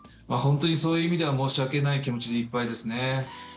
本当にそういう意味では申し訳ない気持ちでいっぱいですね。